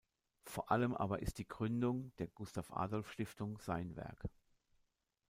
Vor allem aber ist die Gründung der Gustav-Adolf-Stiftung sein Werk.